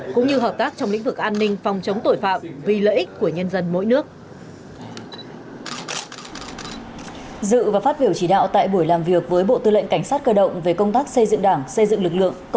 cũng như hợp tác trong lĩnh vực an ninh phòng chống tội phạm vì lợi ích của nhân dân mỗi nước